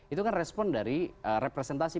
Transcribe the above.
itu kan respon dari representasi